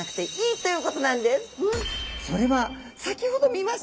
それは先ほど見ました